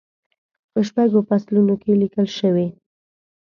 په شپږو فصلونو کې لیکل شوې.